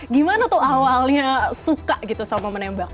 gimana tuh awalnya suka gitu sama menembak